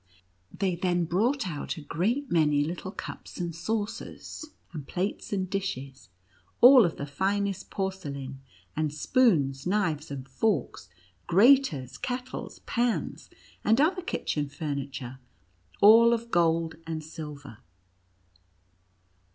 They then brought out a great many little cups and saucers, and plates and dishes, all of the finest porcelain, and spoons, knives, and forks, graters, kettles, pans, and other kitchen furniture, all of gold and silver.